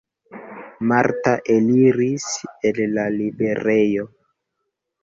Marta eliris el la librejo.